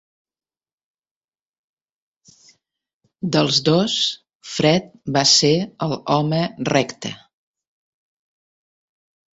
Dels dos, fred va ser el "home recte".